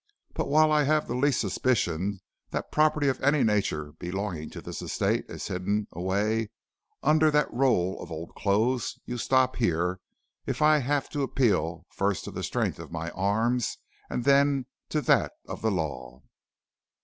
But while I have the least suspicion that property of any nature belonging to this estate is hidden away under that roll of old clothes, you stop here if I have to appeal first to the strength of my arms and then to that of the law.'